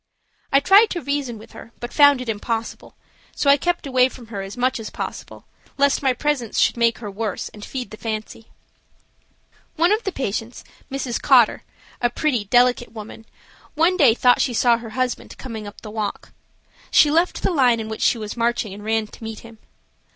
I tried to reason with her, but found it impossible, so I kept away from her as much as possible, lest my presence should make her worse and feed the fancy. One of the patients, Mrs. Cotter, a pretty, delicate woman, one day thought she saw her husband coming up the walk. She left the line in which she was marching and ran to meet him.